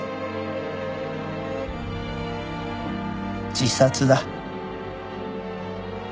自殺だ。